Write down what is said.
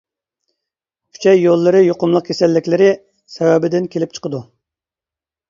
ئۈچەي يوللىرى يۇقۇملۇق كېسەللىكلىرى سەۋەبىدىن كېلىپ چىقىدۇ.